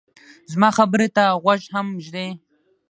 زما خبرې ته غوږ هم ږدې